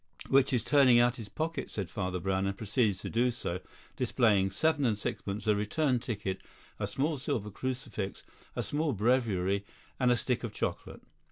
"Which is turning out his pockets," said Father Brown, and proceeded to do so, displaying seven and sixpence, a return ticket, a small silver crucifix, a small breviary, and a stick of chocolate.